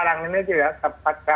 saya juga tidak tahu